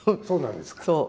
そう。